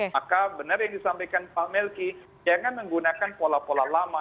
maka benar yang disampaikan pak melki jangan menggunakan pola pola lama